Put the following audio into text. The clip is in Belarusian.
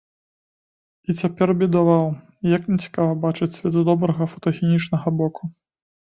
І цяпер бедаваў, як нецікава бачыць свет з добрага, фотагенічнага боку!